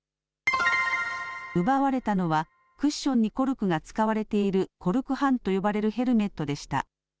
奪われたのはクッションにコルクが使われているコルク半と呼ばれるヘルメットでした。